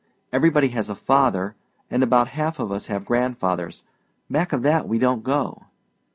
Everybody has a father, and about half of us have grandfathers. Back of that we don't go."